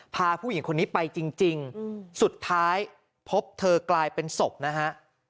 พาผู้หญิงคนนี้ไปจริงสุดท้ายพบเธอกลายเป็นศพนะฮะ